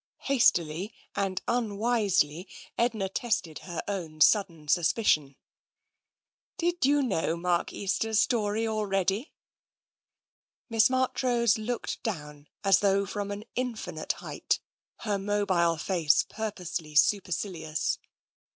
*' Hastily and unwisely, Edna tested her own sudden suspicion. " Did you know Mark Easter's story already ?" Miss Marchrose looked down as though from an infinite height, her mobile face purposely supercilious.